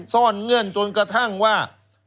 เงื่อนจนกระทั่งว่า